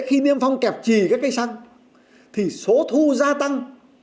khi niêm phong kẹp trì các cây xăng thì số thu gia tăng